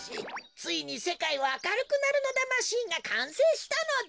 ついにせかいはあかるくなるのだマシンがかんせいしたのだ。